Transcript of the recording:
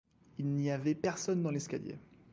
Il n'y avait personne dans l'escalier.